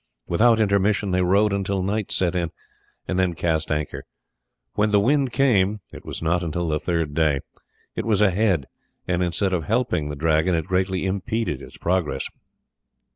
Without intermission they rowed until night set in, and then cast anchor. When the wind came it was not until the third day it was ahead, and instead of helping the Dragon it greatly impeded its progress.